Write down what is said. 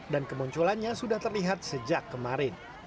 dan kemunculannya sudah terlihat sejak kemarin